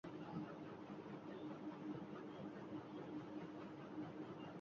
সমগ্র খেলোয়াড়ী জীবনে আটটিমাত্র টেস্টে অংশগ্রহণের সুযোগ লাভ করেছিলেন উইলফ্রেড ফার্গুসন।